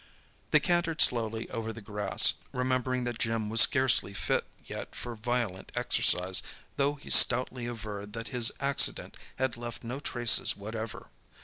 They cantered slowly over the grass, remembering that Jim was scarcely fit yet for violent exercise, though he stoutly averred that his accident had left no traces whatever.